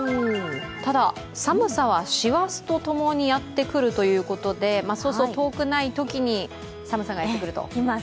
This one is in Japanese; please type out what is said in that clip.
ただ、寒さは師走とともにやってくるということで、早々遠くないときに寒さがやってくると。